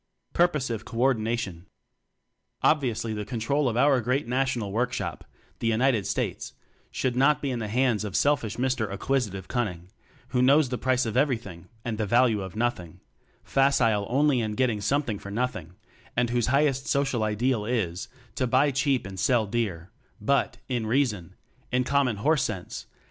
Purposive Co ordination. Obviously the control of our Great National Workshop the United States should not be in the hands of selfish Mr. Acquisitive Cunning "who knows the price of everything and the value of nothing" facile only in getting something for nothing and whose highest social ideal is: "To buy cheap and sell dear"; but in reason, in common horse sense!